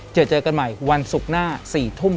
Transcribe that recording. เจอเจอกันใหม่วันศุกร์หน้า๔ทุ่ม